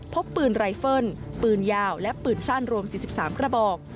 พบปืนไรเฟิลปืนยาวและปืนสั้นรวม๔๓กระบอก